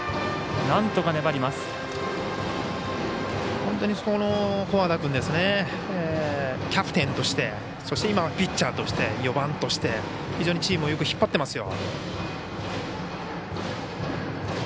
本当に、古和田君キャプテンとしてそして、今はピッチャーとして４番として非常にチームをよく引っ張っていますよ。